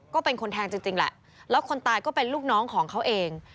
ก็เป็นคนแทงจริงแหละแล้วคนตายก็เป็นลูกน้องของเขาเอง